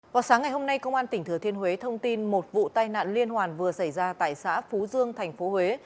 vào sáng ngày hôm nay công an tỉnh thừa thiên huế thông tin một vụ tai nạn liên hoàn vừa xảy ra tại xã phú dương tp huế